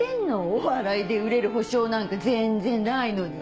お笑いで売れる保証なんか全然ないのに。